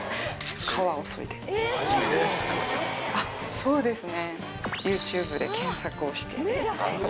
そうですね。